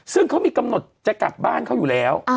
ซึ่งเขามีกำหนดจะกลับบ้านเขาอยู่แล้ว